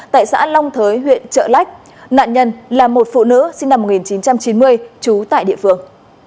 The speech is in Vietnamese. tại xã long thới huyện trợ lách nạn nhân là một phụ nữ sinh năm một nghìn chín trăm chín mươi trú tại địa phương